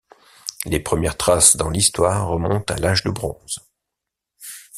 Les premières traces dans l'Histoire remontent à l'Âge de bronze.